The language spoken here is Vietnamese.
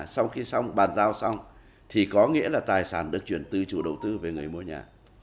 sau khi xong bàn giao xong thì có nghĩa là tài sản được chuyển từ chủ đầu tư về người mua nhà